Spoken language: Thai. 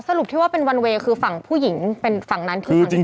อ๋อสรุปที่ว่าเป็นคือฝั่งผู้หญิงเป็นฝั่งนั้นคือจริง